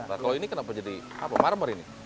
kalau ini kenapa jadi apa marmer ini